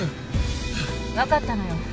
分かったのよ。